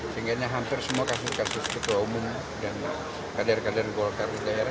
sehingga hampir semua kasus kasus ketua umum dan kader kader golkar di daerah